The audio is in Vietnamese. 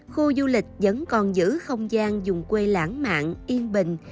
khu du lịch vẫn còn giữ không gian dùng quê lãng mạn yên bình